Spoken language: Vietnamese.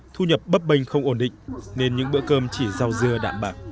thu nhập bấp bênh không ổn định nên những bữa cơm chỉ rau dưa đảm bạc